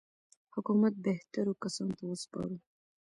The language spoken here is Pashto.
حکومت بهترو کسانو ته وسپارو.